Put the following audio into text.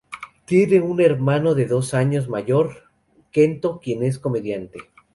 Tiene un hermano dos años mayor, Kento, quien es comediante.